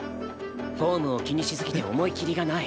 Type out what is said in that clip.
フォームを気にしすぎて思い切りがない。